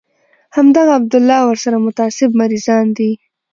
همدغه عبدالله او ورسره متعصب مريضان دي.